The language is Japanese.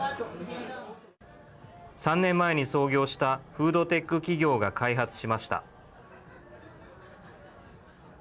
３年前に創業したフードテック企業が開発しました。